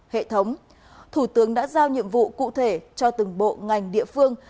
hệ thống thủ tướng đã giao nhiệm vụ cụ thể cho từng bộ ngành địa phương